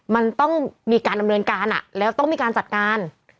มันต้องมีการดำเนินการแล้วต้องมีการจัดการ